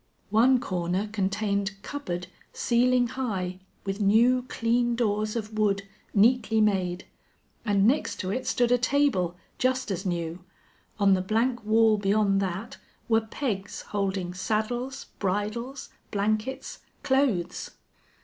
One corner contained cupboard, ceiling high, with new, clean doors of wood, neatly made; and next to it stood a table, just as new. On the blank wall beyond that were pegs holding saddles, bridles, blankets, clothes.